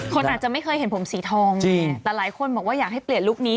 คนอาจจะไม่เคยเห็นผมสีทองแต่หลายคนบอกว่าอยากให้เปลี่ยนลุคนี้